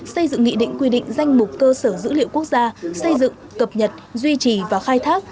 xây dựng nghị định quy định danh mục cơ sở dữ liệu quốc gia xây dựng cập nhật duy trì và khai thác